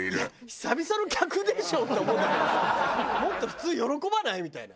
久々の客でしょ？って思うんだけどさもっと普通喜ばない？みたいな。